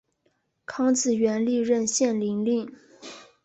康子元历任献陵令。